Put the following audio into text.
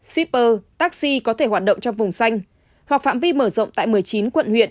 shipper taxi có thể hoạt động trong vùng xanh hoặc phạm vi mở rộng tại một mươi chín quận huyện